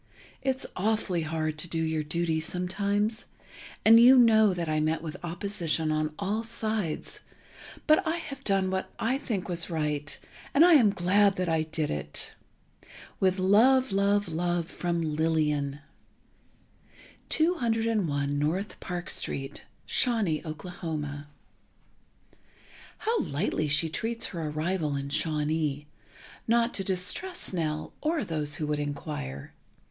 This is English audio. It's awfully hard to do your duty sometimes, and you know that I met with opposition on all sides but I have done what I think was right and I am glad that I did it.... With love love love from LILLIAN. 201 N. Park St. Shawnee, Okla. How lightly she treats her arrival in Shawnee—not to distress Nell, or those who would inquire.